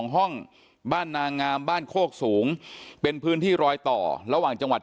ห้องบ้านนางามบ้านโคกสูงเป็นพื้นที่รอยต่อระหว่างจังหวัด